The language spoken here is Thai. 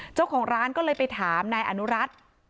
เจ้าของร้านก็เลยไปถามนายอนุรัติ